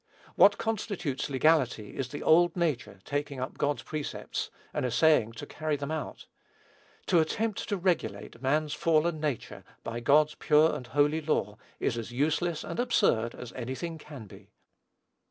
What constitutes legality is the old nature taking up God's precepts and essaying to carry them out. To attempt to regulate man's fallen nature by God's pure and holy law, is as useless and absurd as any thing can be.